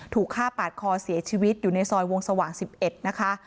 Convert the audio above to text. ถูกฆ่าปาดคอเสียชีวิตอยู่ในซอยวงสว่าง๑๑นะคะ